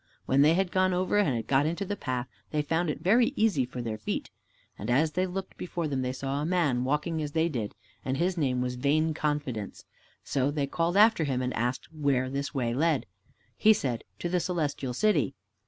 When they had gone over and had got into the path, they found it very easy for their feet. And as they looked before them they saw a man walking as they did, and his name was Vain confidence. So they called after him, and asked where this way led. He said, "To the Celestial City."